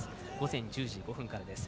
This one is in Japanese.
午前１０時５分からです。